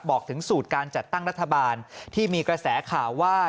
บอกถึงสูตรการจัดตั้งรัฐบาลที่มีกระแสข่าวว่า